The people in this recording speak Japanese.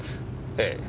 ええ。